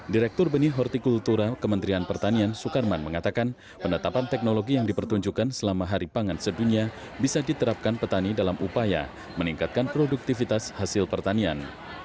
direktur benih hortikultura kementerian pertanian sukarman mengatakan penetapan teknologi yang dipertunjukkan selama hari pangan sedunia bisa diterapkan petani dalam upaya meningkatkan produktivitas hasil pertanian